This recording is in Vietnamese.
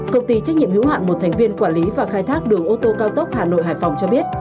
công ty trách nhiệm hữu hạn một thành viên quản lý và khai thác đường ô tô cao tốc hà nội hải phòng cho biết